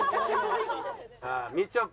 さあみちょぱ。